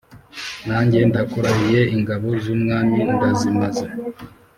nanjye ndakurahiye ingabo zumwami ndazimaze"